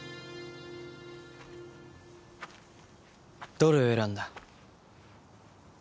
どれを選んだ？